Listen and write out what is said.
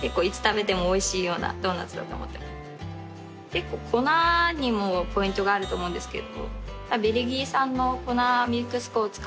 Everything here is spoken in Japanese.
結構粉にもポイントがあると思うんですけど。